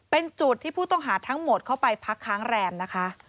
เป็นจุดที่ผู้ต้องหาทั้งหมดเข้าไปพักค้างแรมนะคะ